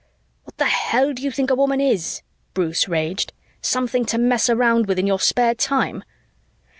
_" "What the hell do you think a woman is?" Bruce raged. "Something to mess around with in your spare time?"